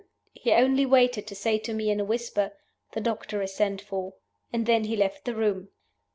He only waited to say to me in a whisper, 'The doctor is sent for,' and then he left the room.